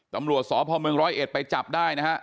ตำรวจสอบภอมเมืองร้อยเอ็ดไปจับได้นะครับ